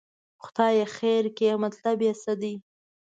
خدای خیر کړي، مطلب یې څه دی.